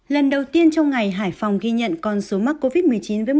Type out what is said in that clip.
lần đầu tiên trong ngày hải phòng ghi nhận con số mắc covid một mươi chín với một